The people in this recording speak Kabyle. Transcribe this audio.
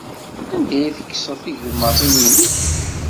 Anda ay tekkseḍ tigeḍmatin-nnek?